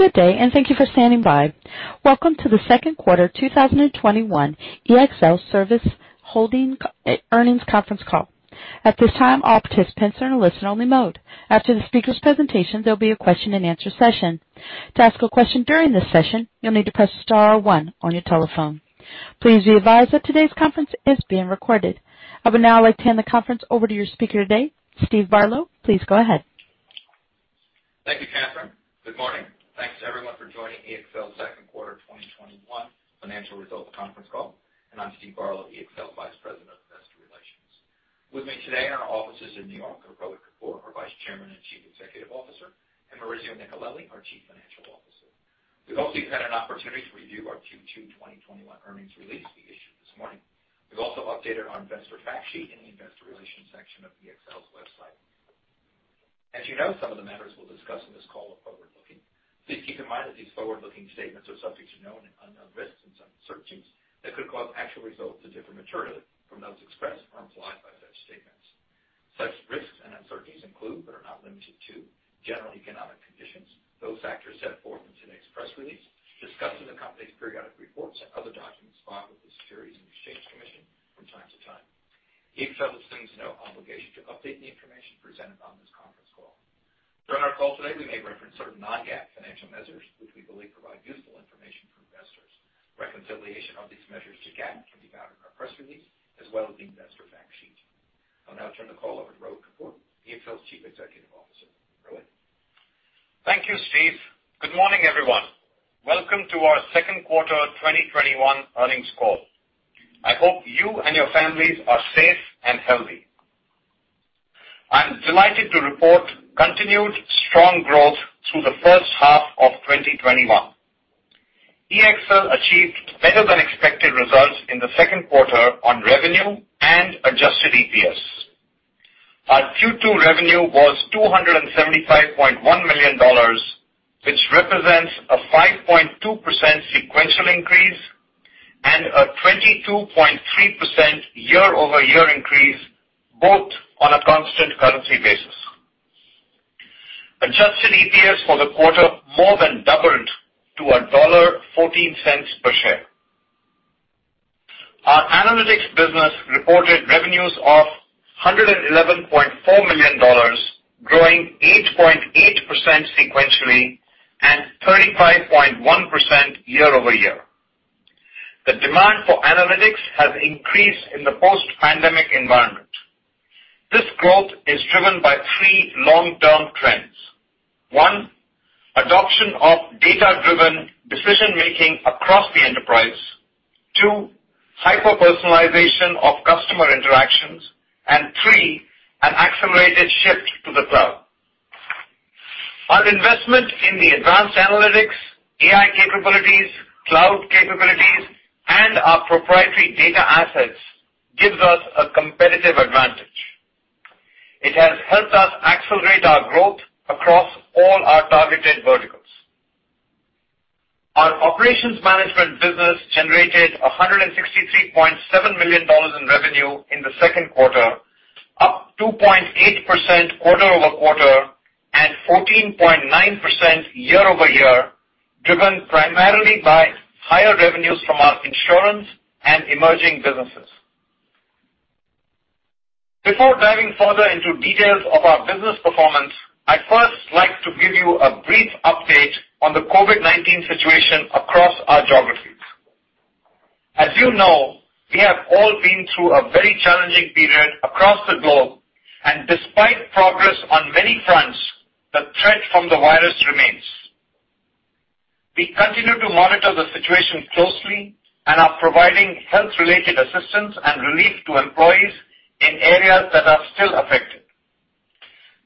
Good day, and thank you for standing by. Welcome to the Q2 2021 ExlService Holdings, Inc. earnings conference call. I will now turn the conference over to your speaker today, Steven Barlow. Please go ahead. Thank you, Catherine. Good morning. Thanks, everyone, for joining EXL's second quarter 2021 financial results conference call. I'm Steven Barlow, EXL Vice President of Investor Relations. With me today in our offices in New York are Rohit Kapoor, our Vice Chairman and Chief Executive Officer, and Maurizio Nicolelli, our Chief Financial Officer. We hope you've had an opportunity to review our Q2 2021 earnings release we issued this morning. We've also updated our investor fact sheet in the investor relations section of EXL's website. As you know, some of the matters we'll discuss on this call are forward-looking. Please keep in mind that these forward-looking statements are subject to known and unknown risks and uncertainties that could cause actual results to differ materially from those expressed or implied by such statements. Such risks and uncertainties include, but are not limited to general economic conditions, those factors set forth in today's press release, discussed in the company's periodic reports and other documents filed with the Securities and Exchange Commission from time to time. EXL assumes no obligation to update the information presented on this conference call. During our call today, we may reference certain non-GAAP financial measures, which we believe provide useful information for investors. Reconciliation of these measures to GAAP can be found in our press release, as well as the investor fact sheet. I'll now turn the call over to Rohit Kapoor, EXL's Chief Executive Officer. Rohit. Thank you, Steven Barlow. Good morning, everyone. Welcome to our second quarter 2021 earnings call. I hope you and your families are safe and healthy. I'm delighted to report continued strong growth through the first half of 2021. EXL achieved better than expected results in the second quarter on revenue and Adjusted EPS. Our Q2 revenue was $275.1 million, which represents a 5.2% sequential increase and a 22.3% year-over-year increase, both on a constant currency basis. Adjusted EPS for the quarter more than doubled to $1.14 per share. Our analytics business reported revenues of $111.4 million, growing 8.8% sequentially and 35.1% year-over-year. The demand for analytics has increased in the post-pandemic environment. This growth is driven by three long-term trends. One, adoption of data-driven decision-making across the enterprise. Two, hyper-personalization of customer interactions. Three, an accelerated shift to the cloud. Our investment in the advanced analytics, AI capabilities, cloud capabilities, and our proprietary data assets gives us a competitive advantage. It has helped us accelerate our growth across all our targeted verticals. Our operations management business generated $163.7 million in revenue in the second quarter, up 2.8% quarter-over-quarter and 14.9% year-over-year, driven primarily by higher revenues from our insurance and emerging businesses. Before diving further into details of our business performance, I'd first like to give you a brief update on the COVID-19 situation across our geographies. As you know, we have all been through a very challenging period across the globe, and despite progress on many fronts, the threat from the virus remains. We continue to monitor the situation closely and are providing health-related assistance and relief to employees in areas that are still affected.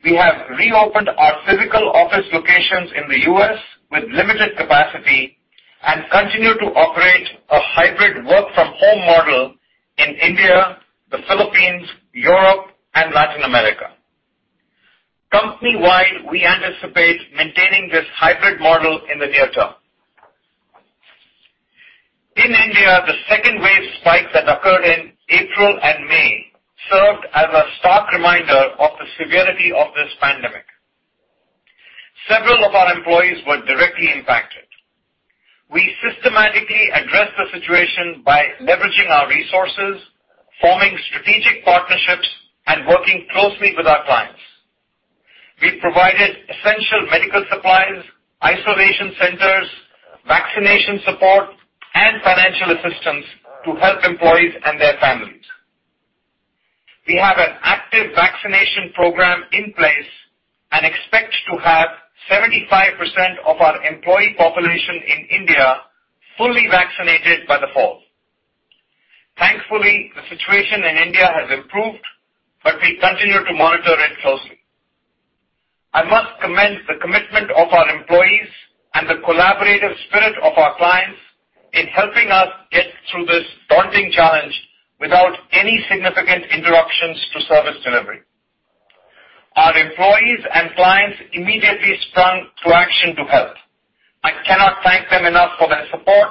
We have reopened our physical office locations in the U.S. with limited capacity and continue to operate a hybrid work-from-home model in India, the Philippines, Europe, and Latin America. Company-wide, we anticipate maintaining this hybrid model in the near term. In India, the second wave spike that occurred in April and May served as a stark reminder of the severity of this pandemic. Several of our employees were directly impacted. We systematically addressed the situation by leveraging our resources, forming strategic partnerships, and working closely with our clients. We provided essential medical supplies, isolation centers, vaccination support, and financial assistance to help employees and their families. We have an active vaccination program in place and expect to have 75% of our employee population in India fully vaccinated by the fall. Thankfully, the situation in India has improved, but we continue to monitor it closely. I must commend the commitment of our employees and the collaborative spirit of our clients in helping us get through this daunting challenge without any significant interruptions to service delivery. Our employees and clients immediately sprung to action to help. I cannot thank them enough for their support.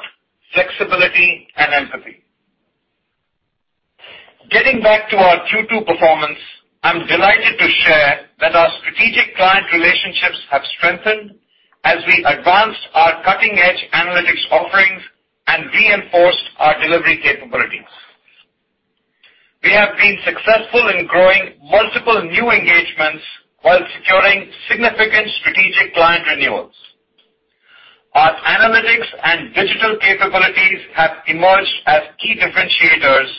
Looking back to our Q2 performance, I'm delighted to share that our strategic client relationships have strengthened as we advanced our cutting-edge analytics offerings and reinforced our delivery capabilities. We have been successful in growing multiple new engagements while securing significant strategic client renewals. Our analytics and digital capabilities have emerged as key differentiators,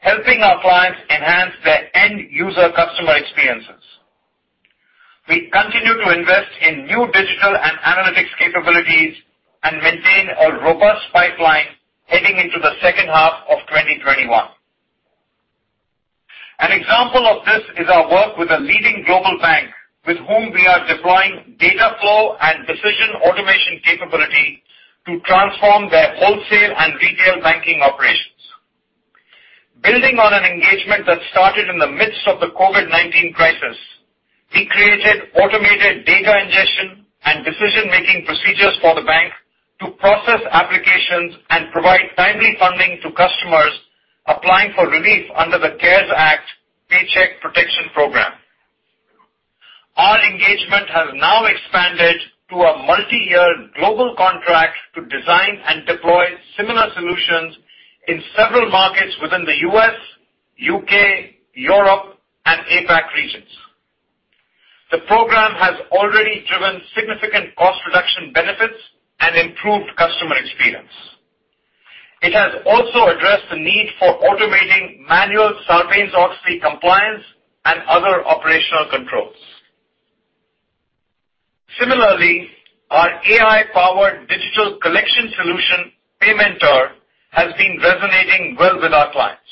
helping our clients enhance their end user customer experiences. We continue to invest in new digital and analytics capabilities and maintain a robust pipeline heading into the second half of 2021. An example of this is our work with a leading global bank with whom we are deploying data flow and decision automation capability to transform their wholesale and retail banking operations. Building on an engagement that started in the midst of the COVID-19 crisis, we created automated data ingestion and decision-making procedures for the bank to process applications and provide timely funding to customers applying for relief under the CARES Act Paycheck Protection Program. Our engagement has now expanded to a multi-year global contract to design and deploy similar solutions in several markets within the U.S., U.K., Europe, and APAC regions. The program has already driven significant cost reduction benefits and improved customer experience. It has also addressed the need for automating manual Sarbanes-Oxley compliance and other operational controls. Similarly, our AI-powered digital collection solution, PayMentor, has been resonating well with our clients.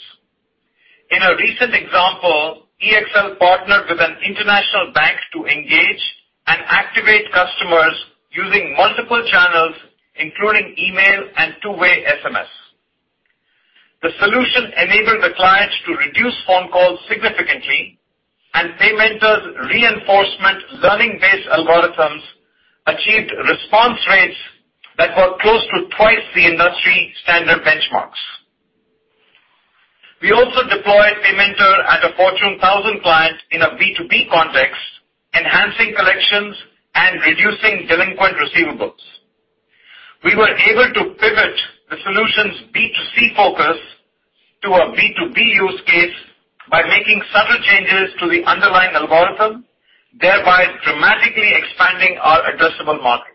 In a recent example, EXL partnered with an international bank to engage and activate customers using multiple channels, including email and two-way SMS. The solution enabled the clients to reduce phone calls significantly, and PayMentor's reinforcement learning-based algorithms achieved response rates that were close to twice the industry standard benchmarks. We also deployed PayMentor at a Fortune 1000 client in a B2B context, enhancing collections and reducing delinquent receivables. We were able to pivot the solution's B2C focus to a B2B use case by making subtle changes to the underlying algorithm, thereby dramatically expanding our addressable market.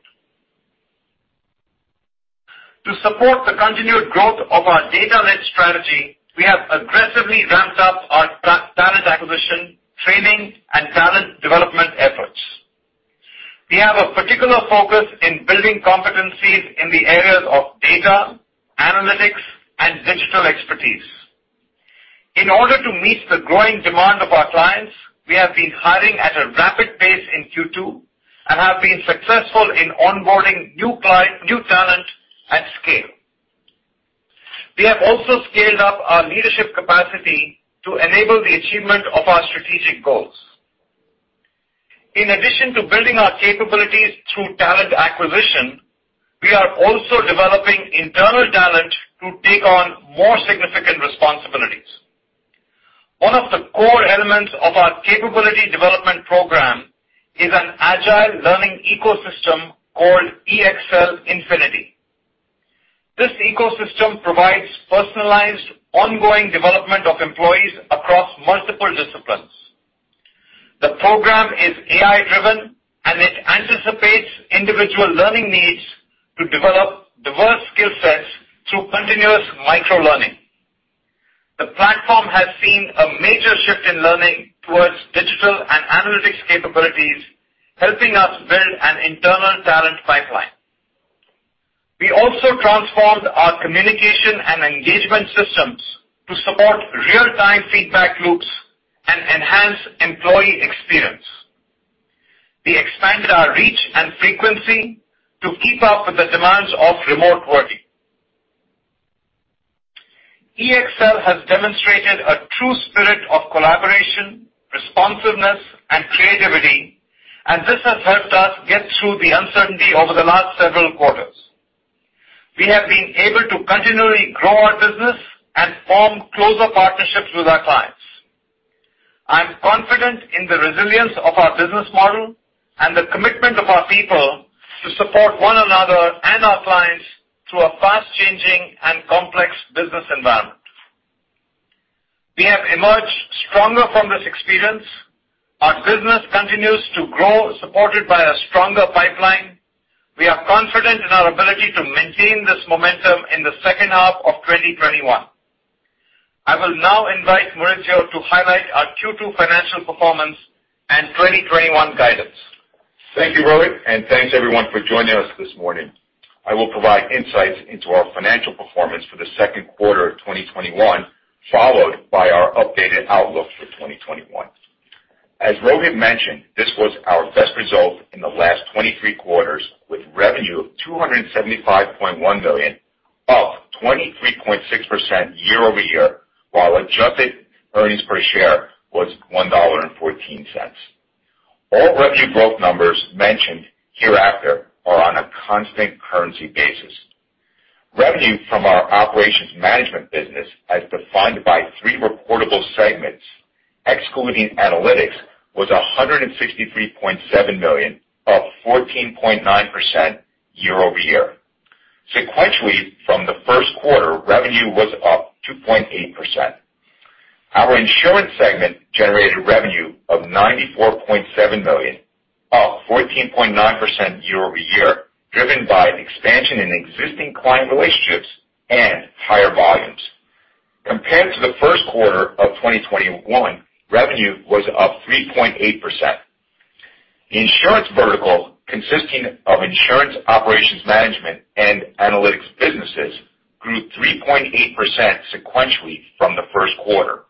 To support the continued growth of our data-led strategy, we have aggressively ramped up our talent acquisition, training, and talent development efforts. We have a particular focus in building competencies in the areas of data, analytics, and digital expertise. In order to meet the growing demand of our clients, we have been hiring at a rapid pace in Q2 and have been successful in onboarding new talent at scale. We have also scaled up our leadership capacity to enable the achievement of our strategic goals. In addition to building our capabilities through talent acquisition, we are also developing internal talent to take on more significant responsibilities. One of the core elements of our capability development program is an agile learning ecosystem called EXL Infinity. This ecosystem provides personalized, ongoing development of employees across multiple disciplines. The program is AI-driven, and it anticipates individual learning needs to develop diverse skill sets through continuous micro-learning. The platform has seen a major shift in learning towards digital and analytics capabilities, helping us build an internal talent pipeline. We also transformed our communication and engagement systems to support real-time feedback loops and enhance employee experience. We expanded our reach and frequency to keep up with the demands of remote working. EXL has demonstrated a true spirit of collaboration, responsiveness, and creativity, and this has helped us get through the uncertainty over the last several quarters. We have been able to continually grow our business and form closer partnerships with our clients. I'm confident in the resilience of our business model and the commitment of our people to support one another and our clients through a fast-changing and complex business environment. We have emerged stronger from this experience. Our business continues to grow, supported by a stronger pipeline. We are confident in our ability to maintain this momentum in the second half of 2021. I will now invite Maurizio to highlight our Q2 financial performance and 2021 guidance. Thank you, Rohit, and thanks everyone for joining us this morning. I will provide insights into our financial performance for the second quarter of 2021, followed by our updated outlook for 2021. Rohit mentioned, this was our best result in the last 23 quarters, with revenue of $275.1 million, up 23.6% year-over-year, while Adjusted EPS was $1.14. All revenue growth numbers mentioned hereafter-constant currency basis. Revenue from our operations management business, as defined by three reportable segments, excluding analytics, was $163.7 million, up 14.9% year-over-year. Sequentially from the first quarter, revenue was up 2.8%. Our insurance segment generated revenue of $94.7 million, up 14.9% year-over-year, driven by expansion in existing client relationships and higher volumes. Compared to the first quarter of 2021, revenue was up 3.8%. The insurance vertical, consisting of insurance operations management and analytics businesses, grew 3.8% sequentially from the first quarter.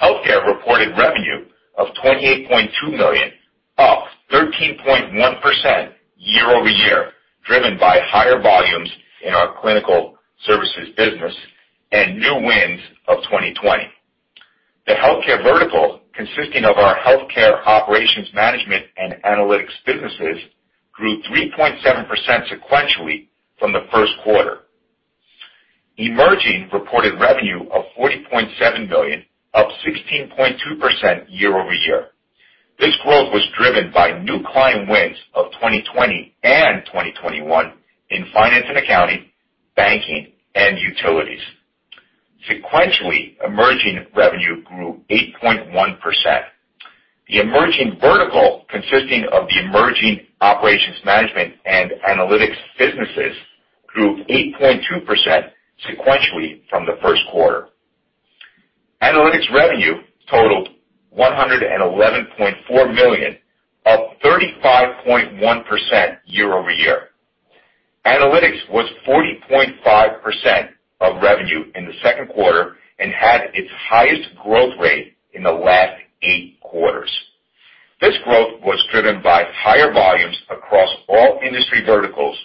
Healthcare reported revenue of $28.2 million, up 13.1% year-over-year, driven by higher volumes in our clinical services business and new wins of 2020. The healthcare vertical, consisting of our healthcare operations management and analytics businesses, grew 3.7% sequentially from the first quarter. Emerging reported revenue of $40.7 million, up 16.2% year-over-year. This growth was driven by new client wins of 2020 and 2021 in finance and accounting, banking and utilities. Sequentially, emerging revenue grew 8.1%. The emerging vertical, consisting of the emerging operations management and analytics businesses, grew 8.2% sequentially from the first quarter. Analytics revenue totaled $111.4 million, up 35.1% year-over-year. Analytics was 40.5% of revenue in the second quarter and had its highest growth rate in the last eight quarters. This growth was driven by higher volumes across all industry verticals,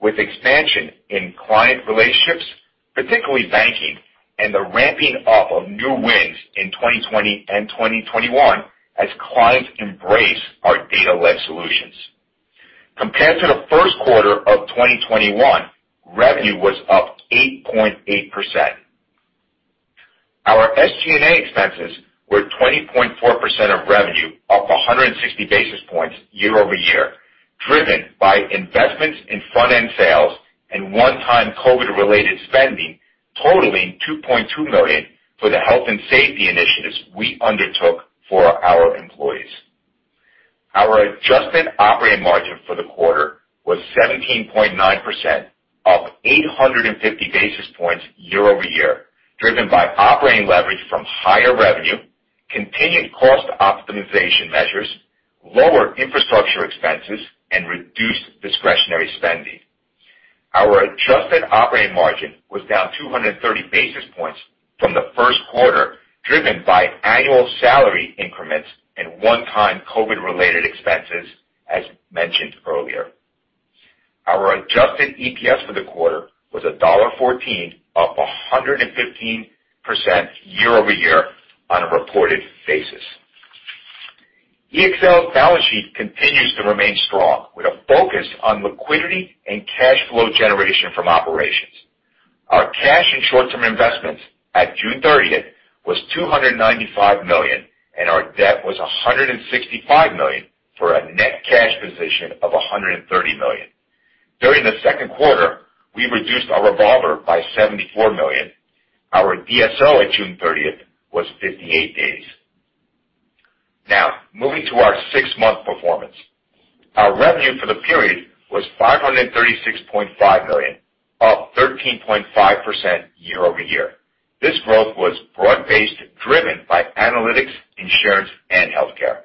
with expansion in client relationships, particularly banking, and the ramping up of new wins in 2020 and 2021 as clients embrace our data led solutions. Compared to the first quarter of 2021, revenue was up 8.8%. Our SG&A expenses were 20.4% of revenue, up 160 basis points year-over-year, driven by investments in front-end sales and one time COVID related spending totaling $2.2 million for the health and safety initiatives we undertook for our employees. Our adjusted operating margin for the quarter was 17.9%, up 850 basis points year-over-year, driven by operating leverage from higher revenue, continued cost optimization measures, lower infrastructure expenses, and reduced discretionary spending. Our adjusted operating margin was down 230 basis points from the first quarter, driven by annual salary increments and one time COVID related expenses as mentioned earlier. Our Adjusted EPS for the quarter was $1.14, up 115% year-over-year on a reported basis. EXL's balance sheet continues to remain strong with a focus on liquidity and cash flow generation from operations. Our cash and short-term investments at June 30th was $295 million, and our debt was $165 million for a net cash position of $130 million. During the second quarter, we reduced our revolver by $74 million. Our DSO at June 30th was 58 days. Moving to our six-month performance. Our revenue for the period was $536.5 million, up 13.5% year-over-year. This growth was broad-based, driven by analytics, insurance, and healthcare.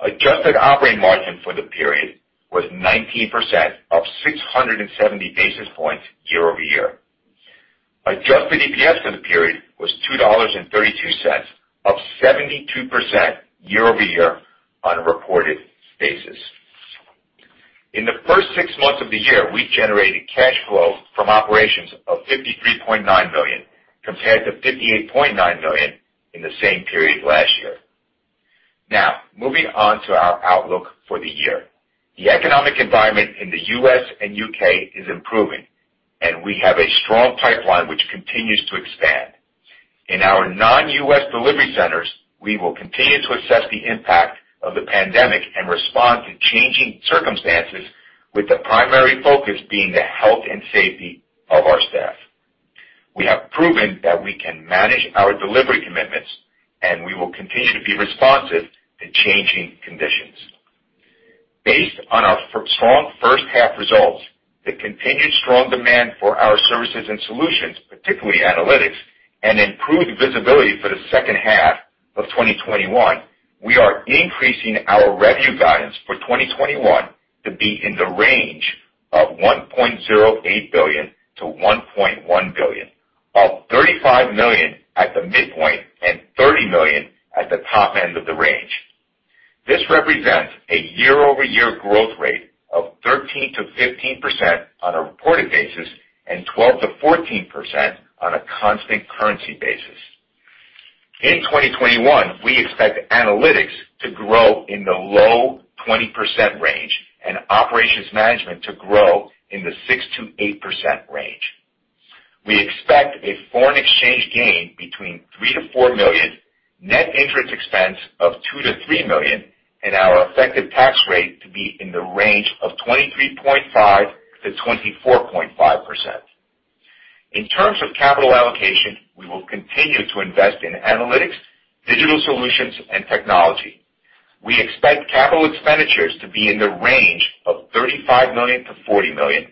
Adjusted operating margin for the period was 19%, up 670 basis points year-over-year. Adjusted EPS for the period was $2.32, up 72% year-over-year on a reported basis. In the first six months of the year, we generated cash flow from operations of $53.9 million, compared to $58.9 million in the same period last year. Now, moving on to our outlook for the year. The economic environment in the U.S. and U.K. is improving, and we have a strong pipeline which continues to expand. In our non-U.S. delivery centers, we will continue to assess the impact of the pandemic and respond to changing circumstances with the primary focus being the health and safety of our staff. We have proven that we can manage our delivery commitments, and we will continue to be responsive to changing conditions. Based on our strong first half results, the continued strong demand for our services and solutions, particularly analytics and improved visibility for the second half of 2021, we are increasing our revenue guidance for 2021 to be in the range of $1.08 billion-$1.1 billion, up $35 million at the midpoint and $30 million at the top end of the range. This represents a year-over-year growth rate of 13%-15% on a reported basis and 12%-14% on a constant currency basis. In 2021, we expect analytics to grow in the low 20% range and operations management to grow in the 6%-8% range. We expect a foreign exchange gain between $3 million-$4 million, net interest expense of $2 million-$3 million, and our effective tax rate to be in the range of 23.5%-24.5%. In terms of capital allocation, we will continue to invest in analytics, digital solutions, and technology. We expect capital expenditures to be in the range of $35 million to $40 million.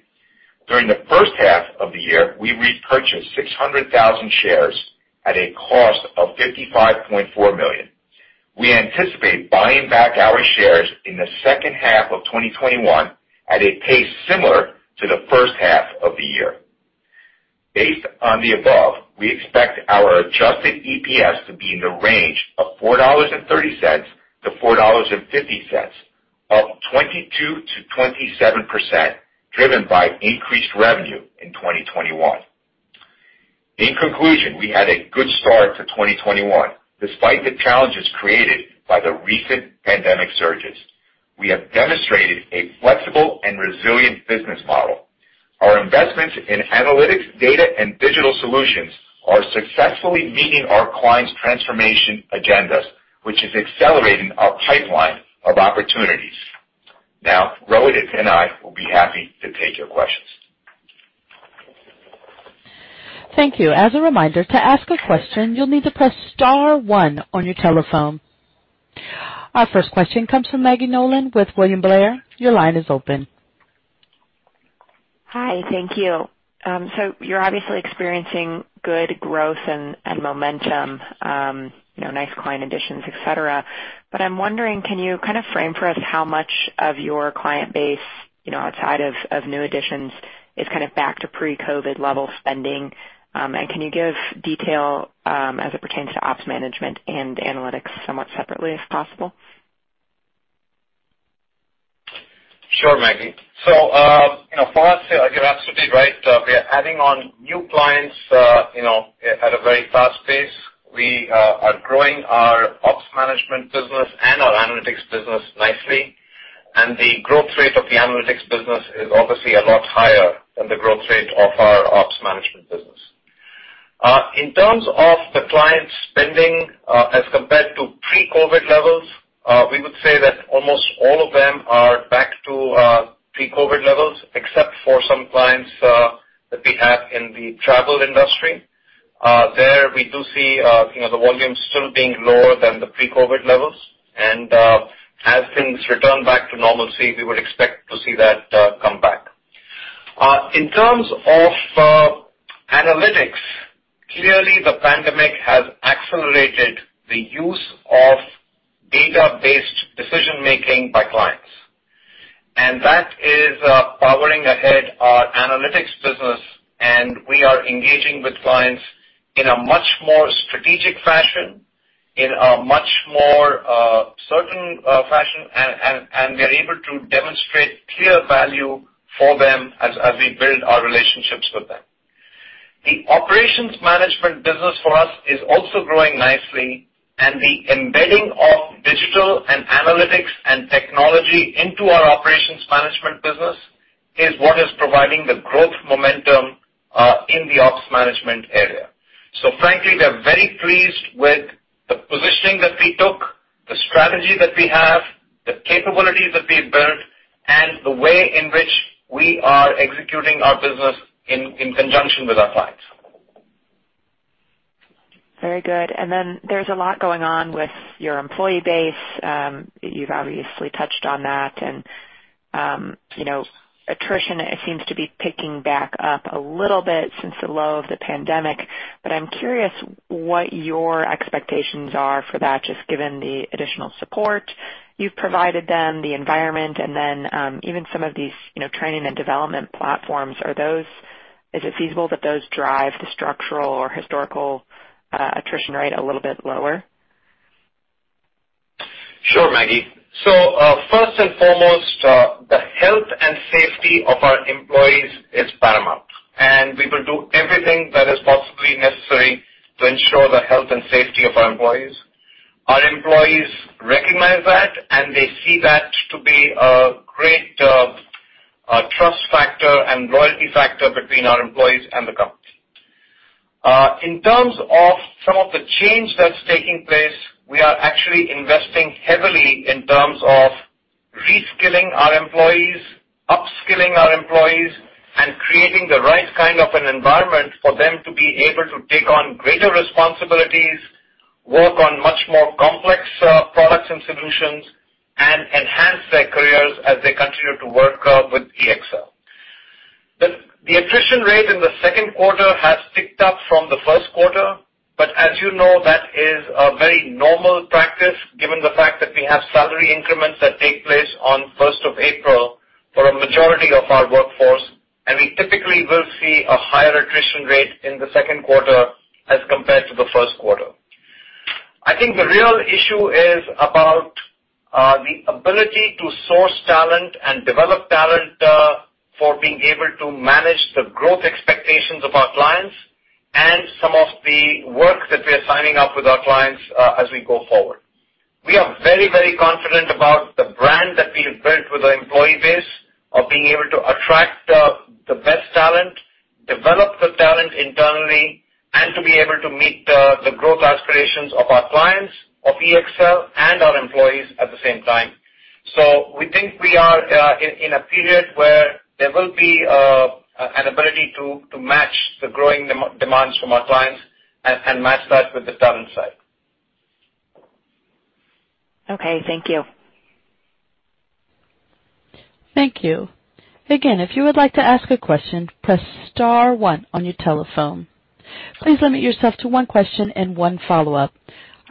During the first half of the year, we repurchased 600,000 shares at a cost of $55.4 million. We anticipate buying back our shares in the second half of 2021 at a pace similar to the first half of the year. Based on the above, we expect our Adjusted EPS to be in the range of $4.30-$4.50, up 22%-27%, driven by increased revenue in 2021. In conclusion, we had a good start to 2021. Despite the challenges created by the recent pandemic surges, we have demonstrated a flexible and resilient business model. Our investments in analytics, data, and digital solutions are successfully meeting our clients' transformation agendas, which is accelerating our pipeline of opportunities. Rohit and I will be happy to take your questions. Thank you. Our first question comes from Maggie Nolan with William Blair. Your line is open. Hi. Thank you. You're obviously experiencing good growth and momentum, nice client additions, et cetera. I'm wondering, can you kind of frame for us how much of your client base outside of new additions is kind of back to pre-COVID level spending? Can you give detail as it pertains to ops management and analytics somewhat separately, if possible? Sure, Maggie. For us, you're absolutely right. We are adding on new clients at a very fast pace. We are growing our ops management business and our analytics business nicely, the growth rate of the analytics business is obviously a lot higher than the growth rate of our ops management business. In terms of the client spending as compared to pre-COVID levels, we would say that almost all of them are back to pre-COVID levels, except for some clients that we have in the travel industry. There, we do see the volumes still being lower than the pre-COVID levels, as things return back to normalcy, we would expect to see that come back. In terms of analytics, clearly the pandemic has accelerated the use of data-based decision making by clients. That is powering ahead our analytics business. We are engaging with clients in a much more strategic fashion, in a much more certain fashion. We are able to demonstrate clear value for them as we build our relationships with them. The operations management business for us is also growing nicely. The embedding of digital and analytics and technology into our operations management business is what is providing the growth momentum in the ops management area. Frankly, we are very pleased with the positioning that we took, the strategy that we have, the capabilities that we have built, and the way in which we are executing our business in conjunction with our clients. Very good. There's a lot going on with your employee base. You've obviously touched on that, and attrition seems to be picking back up a little bit since the low of the pandemic. I'm curious what your expectations are for that, just given the additional support you've provided them, the environment, and then even some of these training and development platforms. Is it feasible that those drive the structural or historical attrition rate a little bit lower? Sure, Maggie. First and foremost, the health and safety of our employees is paramount, and we will do everything that is possibly necessary to ensure the health and safety of our employees. Our employees recognize that, they see that to be a great trust factor and loyalty factor between our employees and the company. In terms of some of the change that's taking place, we are actually investing heavily in terms of re-skilling our employees, upskilling our employees, and creating the right kind of an environment for them to be able to take on greater responsibilities, work on much more complex products and solutions, and enhance their careers as they continue to work with EXL. The attrition rate in the second quarter has ticked up from the first quarter, but as you know, that is a very normal practice given the fact that we have salary increments that take place on 1st of April for a majority of our workforce, and we typically will see a higher attrition rate in the second quarter as compared to the first quarter. I think the real issue is about. The ability to source talent and develop talent for being able to manage the growth expectations of our clients and some of the work that we are signing up with our clients as we go forward. We are very confident about the brand that we have built with our employee base of being able to attract the best talent, develop the talent internally, and to be able to meet the growth aspirations of our clients, of EXL, and our employees at the same time. We think we are in a period where there will be an ability to match the growing demands from our clients and match that with the talent side. Okay. Thank you. Thank you. Our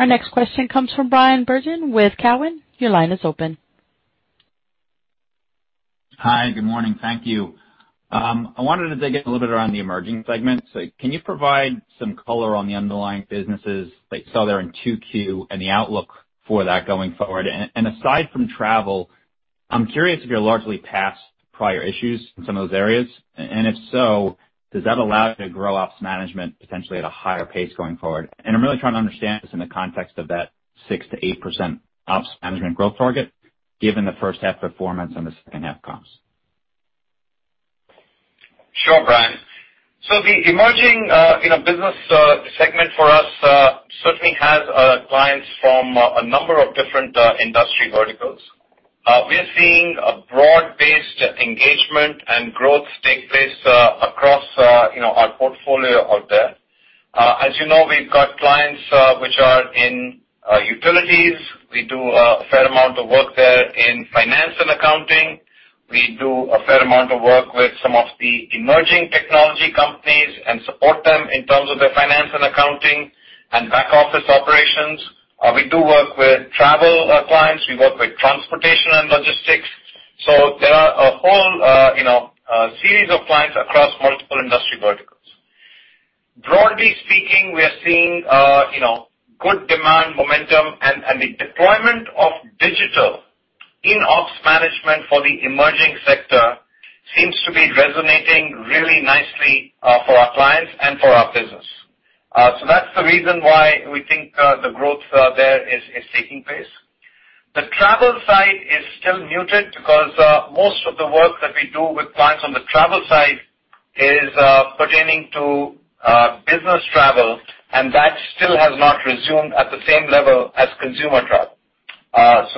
next question comes from Bryan Bergin with Cowen. Hi. Good morning. Thank you. I wanted to dig in a little bit around the emerging segment. Can you provide some color on the underlying businesses that you saw there in 2Q and the outlook for that going forward? Aside from travel, I'm curious if you're largely past prior issues in some of those areas. If so, does that allow you to grow ops management potentially at a higher pace going forward? I'm really trying to understand this in the context of that 6%-8% ops management growth target, given the first half performance and the second half comps. Sure, Bryan. The emerging business segment for us certainly has clients from a number of different industry verticals. We are seeing a broad-based engagement and growth take place across our portfolio out there. As you know, we've got clients which are in utilities. We do a fair amount of work there in F&A. We do a fair amount of work with some of the emerging technology companies and support them in terms of their F&A and back-office operations. We do work with travel clients. We work with transportation and logistics. There are a whole series of clients across multiple industry verticals. Broadly speaking, we are seeing good demand momentum, and the deployment of digital in OM for the emerging sector seems to be resonating really nicely for our clients and for our business. That's the reason why we think the growth there is taking place. The travel side is still muted because most of the work that we do with clients on the travel side is pertaining to business travel, and that still has not resumed at the same level as consumer travel.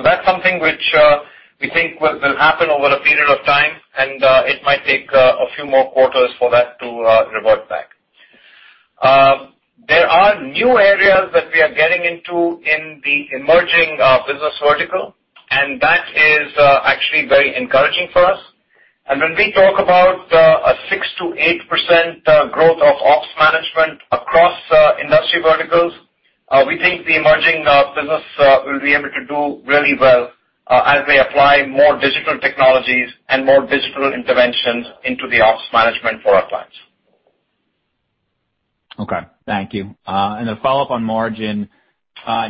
That's something which we think will happen over a period of time, and it might take a few more quarters for that to revert back. There are new areas that we are getting into in the emerging business vertical, and that is actually very encouraging for us. When we talk about a 6%-8% growth of ops management across industry verticals, we think the emerging business will be able to do really well as we apply more digital technologies and more digital interventions into the ops management for our clients. Okay. Thank you. A follow-up on margin.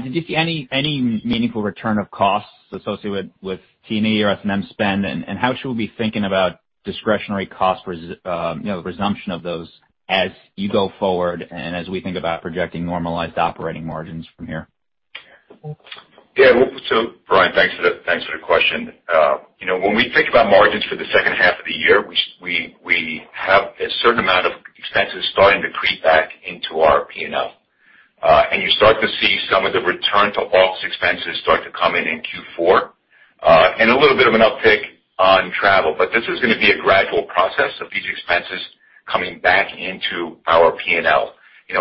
Did you see any meaningful return of costs associated with T&E or F&A spend? How should we be thinking about discretionary cost resumption of those as you go forward and as we think about projecting normalized operating margins from here? Bryan Bergin, thanks for the question. When we think about margins for the second half of the year, we have a certain amount of expenses starting to creep back into our P&L. You start to see some of the return to ops expenses start to come in in Q4, and a little bit of an uptick on travel. This is gonna be a gradual process of these expenses coming back into our P&L.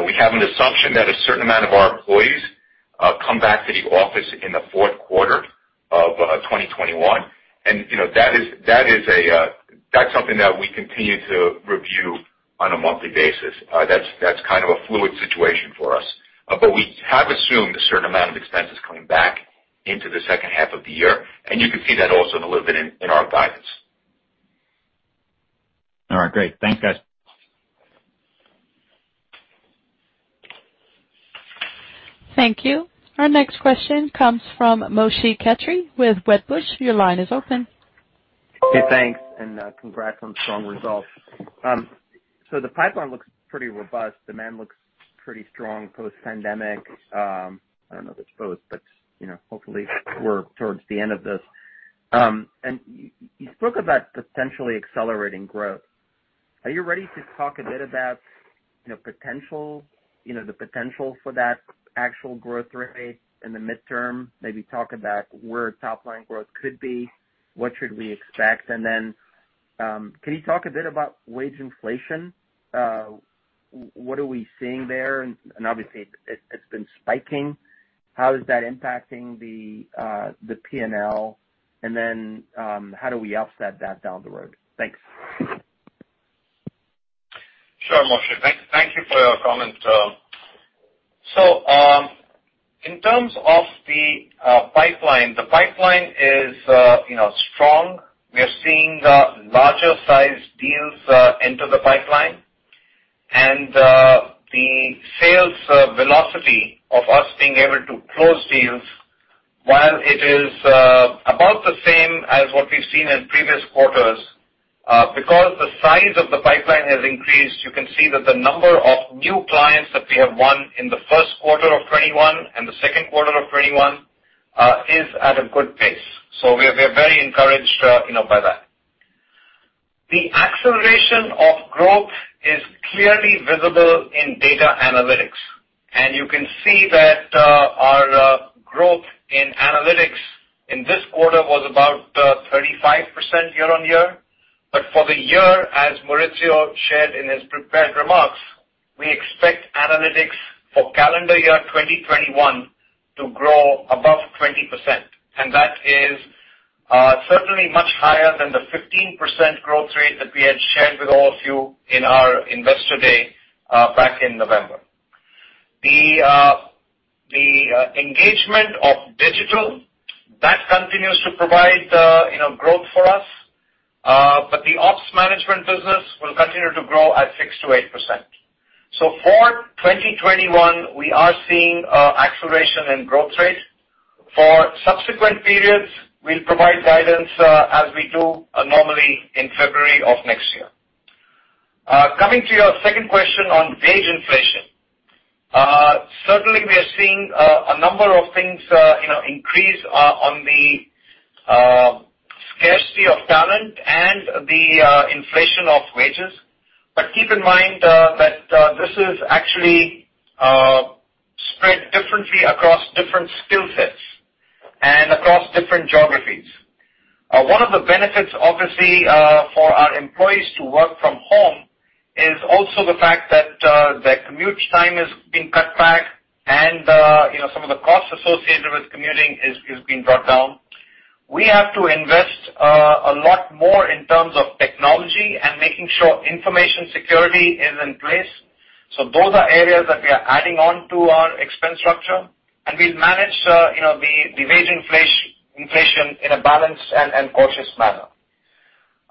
We have an assumption that a certain amount of our employees come back to the office in the fourth quarter of 2021, and that's something that we continue to review on a monthly basis. That's kind of a fluid situation for us. We have assumed a certain amount of expenses coming back into the second half of the year, and you can see that also a little bit in our guidance. All right. Great. Thanks, guys. Thank you. Our next question comes from Moshe Katri with Wedbush. Your line is open. Hey, thanks. Congrats on strong results. The pipeline looks pretty robust. Demand looks pretty strong post-pandemic. I don't know if it's post, but hopefully we're towards the end of this. You spoke about potentially accelerating growth. Are you ready to talk a bit about the potential for that actual growth rate in the midterm? Maybe talk about where top-line growth could be. What should we expect? Can you talk a bit about wage inflation? What are we seeing there? Obviously, it's been spiking. How is that impacting the P&L? How do we offset that down the road? Thanks. Sure, Moshe. Thank you for your comments. In terms of the pipeline, the pipeline is strong. We are seeing larger size deals enter the pipeline, and velocity of us being able to close deals, while it is about the same as what we've seen in previous quarters, because the size of the pipeline has increased, you can see that the number of new clients that we have won in the first quarter of 2021 and the second quarter of 2021 is at a good pace. We are very encouraged by that. The acceleration of growth is clearly visible in data analytics. You can see that our growth in analytics in this quarter was about 35% year-over-year. For the year, as Maurizio shared in his prepared remarks, we expect analytics for calendar year 2021 to grow above 20%. That is certainly much higher than the 15% growth rate that we had shared with all of you in our Investor Day back in November. The engagement of digital, that continues to provide growth for us. The ops management business will continue to grow at 6%-8%. For 2021, we are seeing acceleration in growth rate. For subsequent periods, we'll provide guidance, as we do normally in February of next year. Coming to your second question on wage inflation. Certainly, we are seeing a number of things increase on the scarcity of talent and the inflation of wages. Keep in mind that this is actually spread differently across different skill sets and across different geographies. One of the benefits, obviously, for our employees to work from home is also the fact that their commute time is being cut back and some of the costs associated with commuting is being brought down. We have to invest a lot more in terms of technology and making sure information security is in place. Those are areas that we are adding on to our expense structure, and we'll manage the wage inflation in a balanced and cautious manner.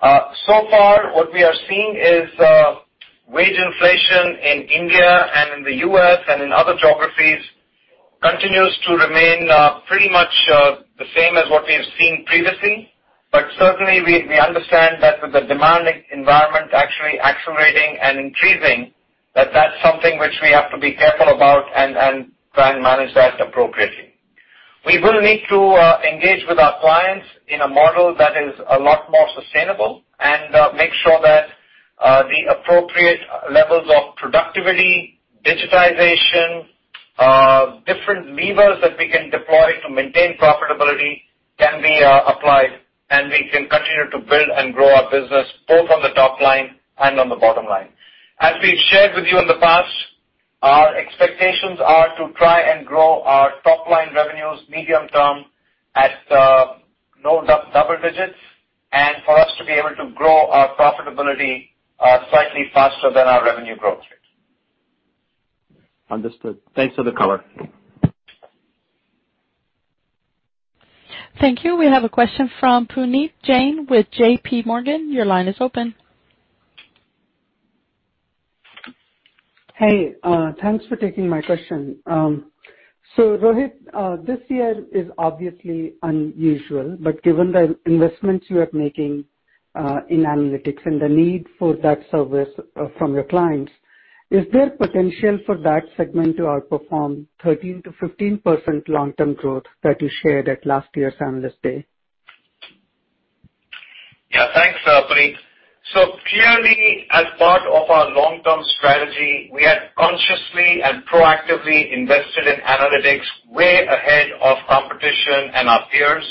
Far, what we are seeing is wage inflation in India and in the U.S. and in other geographies continues to remain pretty much the same as what we've seen previously. Certainly, we understand that with the demanding environment actually accelerating and increasing, that that's something which we have to be careful about and try and manage that appropriately. We will need to engage with our clients in a model that is a lot more sustainable and make sure that the appropriate levels of productivity, digitization, different levers that we can deploy to maintain profitability can be applied, and we can continue to build and grow our business, both on the top line and on the bottom line. As we've shared with you in the past, our expectations are to try and grow our top-line revenues medium term at low double digits, and for us to be able to grow our profitability slightly faster than our revenue growth rate. Understood. Thanks for the color. Thank you. We have a question from Puneet Jain with J.P. Morgan. Your line is open. Hey, thanks for taking my question. Rohit, this year is obviously unusual, but given the investments you are making in analytics and the need for that service from your clients, is there potential for that segment to outperform 13%-15% long-term growth that you shared at last year's Analyst Day? Yeah. Thanks, Puneet. Clearly, as part of our long-term strategy, we had consciously and proactively invested in analytics way ahead of competition and our peers.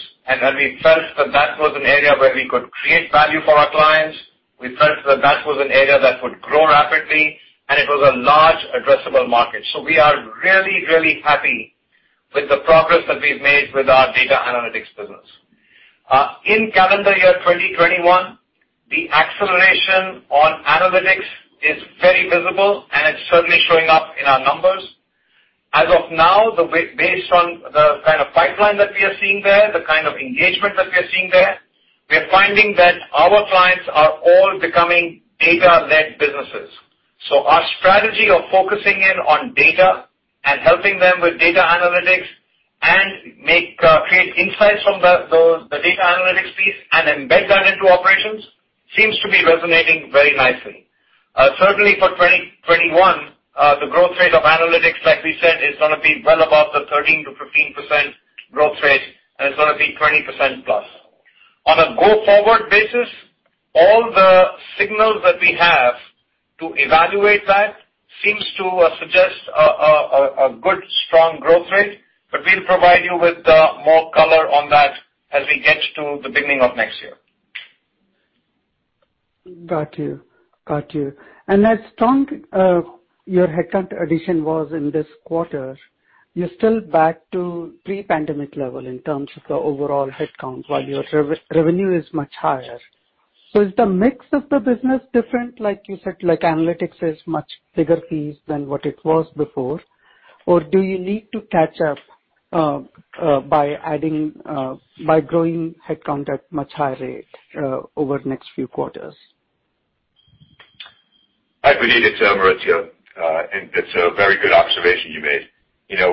We felt that that was an area where we could create value for our clients. We felt that that was an area that would grow rapidly, and it was a large addressable market. We are really, really happy with the progress that we've made with our data analytics business. In calendar year 2021, the acceleration on analytics is very visible, and it's certainly showing up in our numbers. As of now, based on the kind of pipeline that we are seeing there, the kind of engagement that we are seeing there, we are finding that our clients are all becoming data-led businesses. Our strategy of focusing in on data and helping them with data analytics and create insights from the data analytics piece and embed that into operations seems to be resonating very nicely. Certainly for 2021, the growth rate of analytics, like we said, is going to be well above the 13%-15% growth rate, and it's going to be 20%+. On a go-forward basis, all the signals that we have to evaluate that seems to suggest a good, strong growth rate. We'll provide you with more color on that as we get to the beginning of next year. Got you. As strong your headcount addition was in this quarter, you're still back to pre-pandemic level in terms of the overall headcount, while your revenue is much higher. Is the mix of the business different, like you said, like analytics is much bigger piece than what it was before? Do you need to catch up by growing headcount at much higher rate over the next few quarters? Hi, Puneet, it's Maurizio. It's a very good observation you made.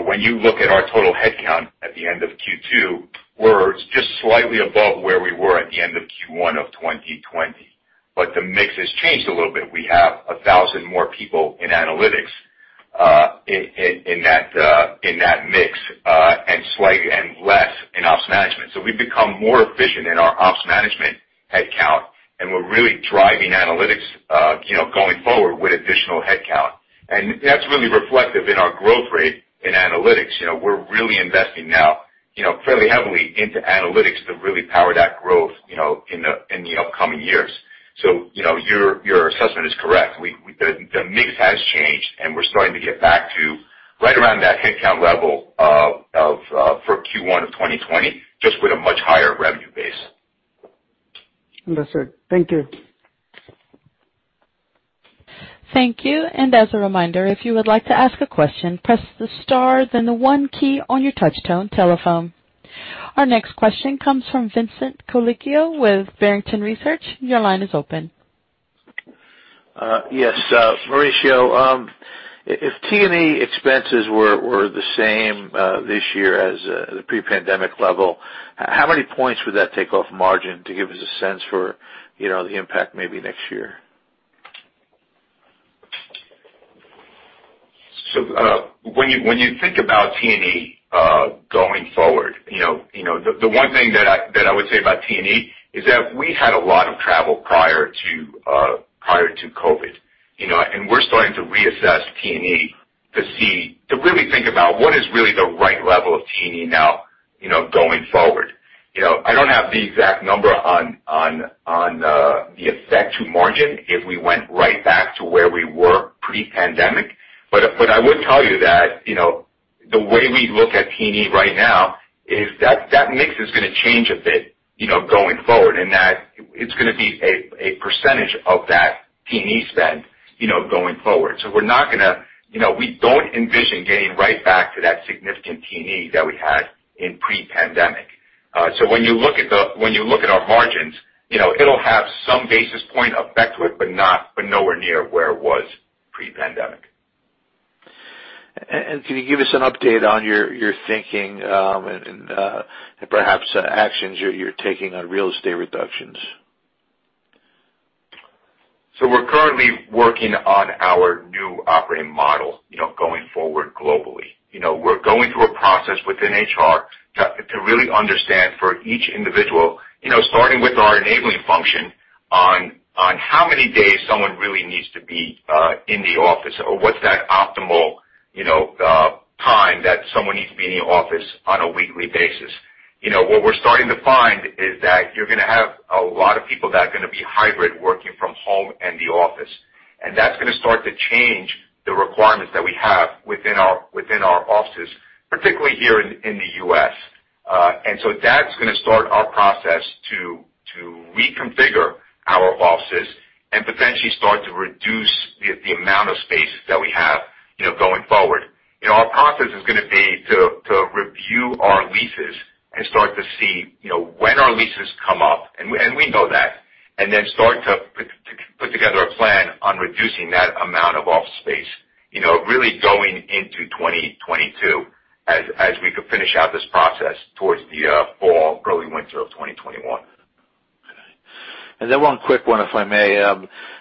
When you look at our total headcount at the end of Q2, we're just slightly above where we were at the end of Q1 of 2020. The mix has changed a little bit. We have 1,000 more people in analytics in that mix, and less in ops management. We've become more efficient in our ops management headcount, and we're really driving analytics going forward with additional headcount. That's really reflective in our growth rate in analytics. We're really investing now fairly heavily into analytics to really power that growth in the upcoming years. Your assessment is correct. The mix has changed, and we're starting to get back to right around that headcount level for Q1 of 2020, just with a much higher revenue base. Understood. Thank you. Thank you. Our next question comes from Vincent Colicchio with Barrington Research. Your line is open. Yes. Maurizio, if T&E expenses were the same this year as the pre-pandemic level, how many points would that take off margin to give us a sense for the impact maybe next year? When you think about T&E going forward, the one thing that I would say about T&E is that we had a lot of travel prior to COVID. We're starting to reassess T&E to really think about what is really the right level of T&E now going forward. I don't have the exact number on the effect to margin if we went right back to where we were pre-pandemic. I would tell you that the way we look at T&E right now is that mix is going to change a bit going forward, and that it's going to be a percentage of that T&E spend going forward. We don't envision getting right back to that significant T&E that we had in pre-pandemic. When you look at our margins, it'll have some basis point effect to it, but nowhere near where it was pre-pandemic. Can you give us an update on your thinking, and perhaps actions you're taking on real estate reductions? We're currently working on our new operating model going forward globally. We're going through a process within HR to really understand for each individual, starting with our enabling function, on how many days someone really needs to be in the office, or what's that optimal time that someone needs to be in the office on a weekly basis. What we're starting to find is that you're going to have a lot of people that are going to be hybrid, working from home and the office. That's going to start to change the requirements that we have within our offices, particularly here in the U.S. That's going to start our process to reconfigure our offices and potentially start to reduce the amount of space that we have going forward. Our process is going to be to review our leases and start to see when our leases come up, and we know that, and then start to put together a plan on reducing that amount of office space really going into 2022 as we could finish out this process towards the fall, early winter of 2021. Okay. One quick one, if I may.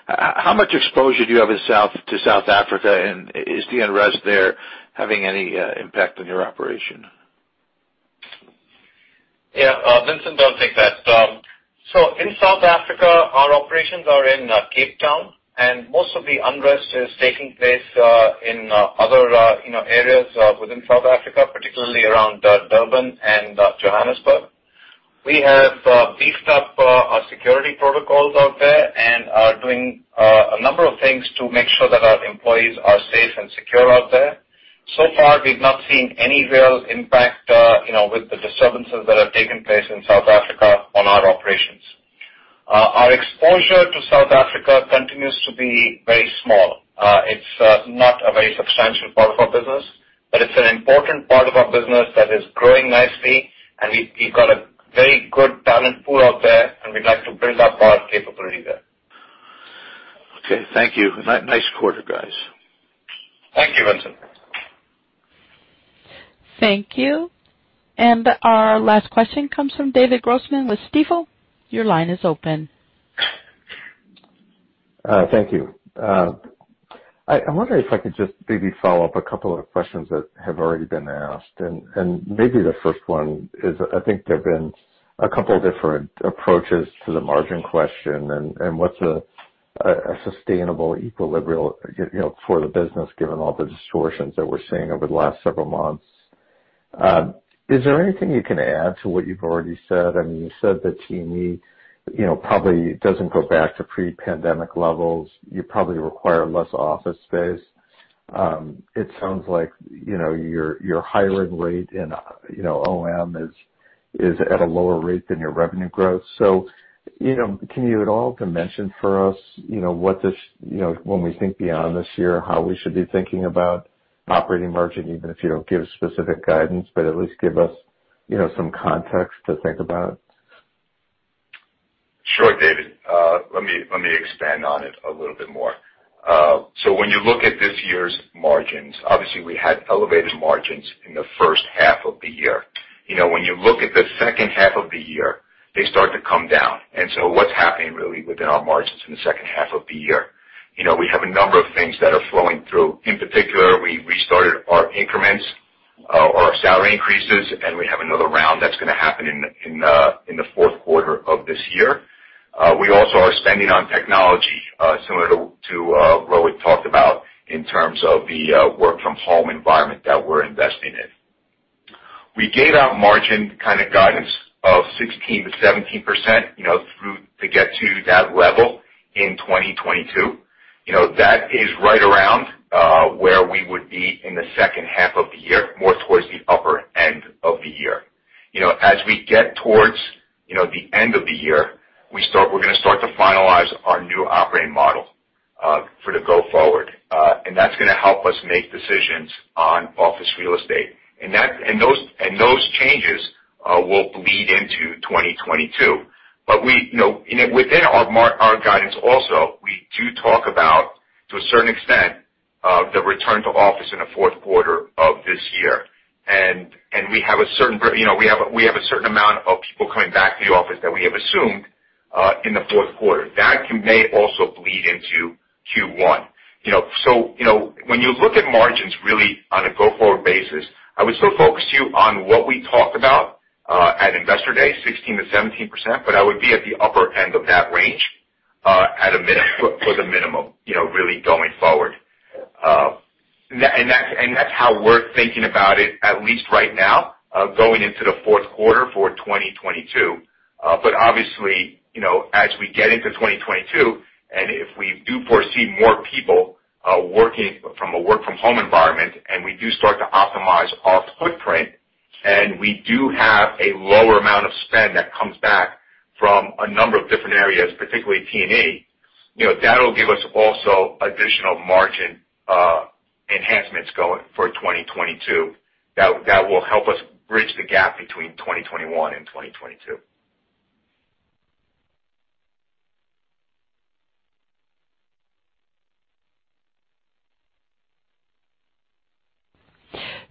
How much exposure do you have to South Africa, and is the unrest there having any impact on your operation? Yeah. Vincent, I'll take that. In South Africa, our operations are in Cape Town, and most of the unrest is taking place in other areas within South Africa, particularly around Durban and Johannesburg. We have beefed up our security protocols out there and are doing a number of things to make sure that our employees are safe and secure out there. So far, we've not seen any real impact with the disturbances that have taken place in South Africa on our operations. Our exposure to South Africa continues to be very small. It's not a very substantial part of our business, but it's an important part of our business that is growing nicely, and we've got a very good talent pool out there, and we'd like to build up our capability there. Okay. Thank you. Nice quarter, guys. Thank you, Vincent. Thank you. Our last question comes from David Grossman with Stifel. Your line is open. Thank you. I wonder if I could just maybe follow up a couple of questions that have already been asked. Maybe the first one is, I think there've been a couple different approaches to the margin question and what's a sustainable equilibrium for the business given all the distortions that we're seeing over the last several months. Is there anything you can add to what you've already said? You said that T&E probably doesn't go back to pre-pandemic levels. You probably require less office space. It sounds like your hiring rate in OM is at a lower rate than your revenue growth. Can you at all dimension for us when we think beyond this year, how we should be thinking about operating margin, even if you don't give specific guidance, but at least give us some context to think about? Sure, David. Let me expand on it a little bit more. When you look at this year's margins, obviously we had elevated margins in the first half of the year. When you look at the second half of the year, they start to come down. What's happening really within our margins in the second half of the year? We have a number of things that are flowing through. In particular, we restarted our increments or our salary increases, and we have another round that's going to happen in the fourth quarter of this year. We also are spending on technology, similar to what we talked about in terms of the work-from-home environment that we're investing in. We gave out margin kind of guidance of 16%-17%, to get to that level in 2022. That is right around where we would be in the second half of the year, more towards the upper end of the year. As we get towards the end of the year, we're going to start to finalize our new operating model for the go forward. That's going to help us make decisions on office real estate. Those changes will bleed into 2022. Within our guidance also, we do talk about, to a certain extent, the return to office in the fourth quarter of this year. We have a certain amount of people coming back to the office that we have assumed in the fourth quarter. That may also bleed into Q1. When you look at margins really on a go-forward basis, I would still focus you on what we talked about at Investor Day, 16%-17%, but I would be at the upper end of that range for the minimum, really going forward. That's how we're thinking about it, at least right now, going into the fourth quarter for 2022. Obviously, as we get into 2022, and if we do foresee more people working from a work-from-home environment, and we do start to optimize our footprint, and we do have a lower amount of spend that comes back from a number of different areas, particularly T&E, that'll give us also additional margin enhancements for 2022 that will help us bridge the gap between 2021 and 2022.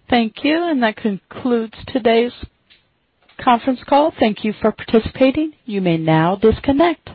Thank you. That concludes today's conference call. Thank you for participating. You may now disconnect.